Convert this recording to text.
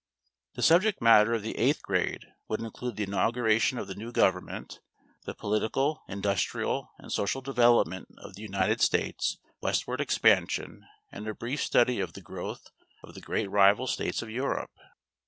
The subject matter of the eighth grade would include the inauguration of the new government, the political, industrial and social development of the United States, westward expansion and a brief study of the growth of the great rival states of Europe.